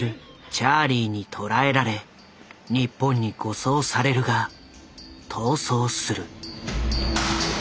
チャーリーに捕らえられ日本に護送されるが逃走する。